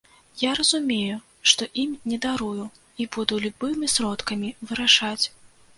Я разумею, што ім не дарую і буду любымі сродкамі вырашаць.